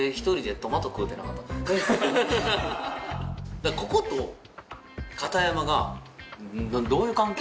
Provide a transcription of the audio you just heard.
だからここと片山が「どういう関係？」